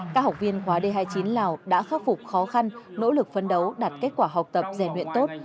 các học viên khóa d hai mươi chín lào đã khắc phục khó khăn nỗ lực phân đấu đặt kết quả học tập giải luyện tốt